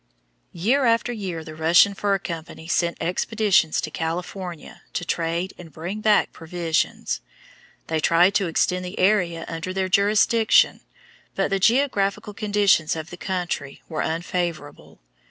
Year after year the Russian Fur Company sent expeditions to California to trade and bring back provisions. They tried to extend the area under their jurisdiction, but the geographical conditions of the country were unfavorable.